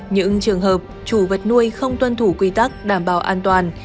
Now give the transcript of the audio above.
những trường hợp chủ vật nuôi không tuân thủ quy tắc đảm bảo an toàn